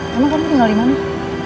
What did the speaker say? kamu kan tinggal dimana